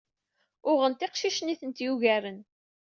Uɣent iqcicen ay tent-yugaren.